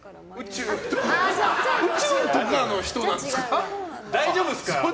宇宙とかの人なんですか。